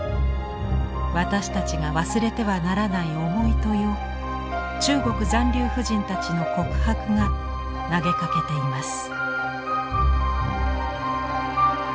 私たちが忘れてはならない重い問いを中国残留婦人たちの告白が投げかけています。